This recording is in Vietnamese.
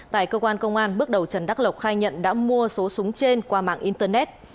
tại cơ quan công an bước đầu trần đắc lộc khai nhận đã mua số súng trường